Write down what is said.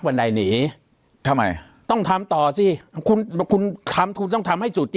ใดหนีทำไมต้องทำต่อสิคุณคุณทำคุณต้องทำให้สุดสิ